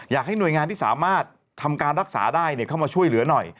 อยากให้หน่วยงานที่สามารถทำการรักษาได้เข้ามาช่วยเหลือหน่อย